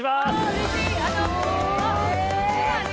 うれしい。